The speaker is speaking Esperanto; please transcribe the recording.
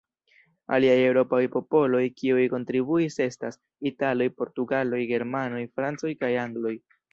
Aliaj eŭropaj popoloj kiuj kontribuis estas: italoj, portugaloj, germanoj, francoj kaj angloj.